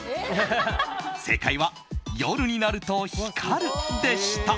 正解は、夜になると光るでした。